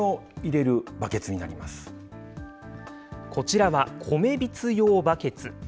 こちらは米びつ用バケツ。